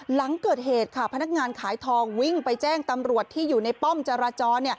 หลังเกิดเหตุค่ะพนักงานขายทองวิ่งไปแจ้งตำรวจที่อยู่ในป้อมจราจร